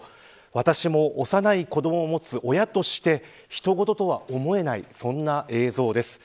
私も、幼い子どもを持つ親としてひと事とは思えないそんな映像です。